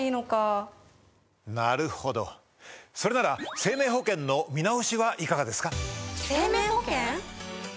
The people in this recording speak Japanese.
なるほどそれなら生命保険の見直しはいかがですか？